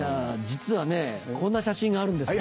実はねこんな写真があるんです。